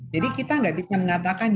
jadi kita nggak bisa mengatakan